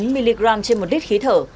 chín trăm linh chín mg trên một đít khí thở